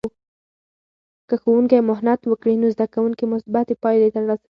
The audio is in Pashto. که ښوونکی محنت وکړي، نو زده کوونکې مثبتې پایلې ترلاسه کوي.